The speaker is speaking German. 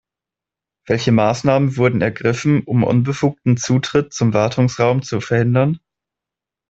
Welche Maßnahmen wurden ergriffen, um unbefugten Zutritt zum Wartungsraum zu verhindern?